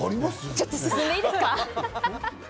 ちょっと進んでいいですか？